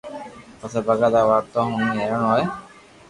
پسي ڀگت آ واتون ھوڻين حيرون ھوئي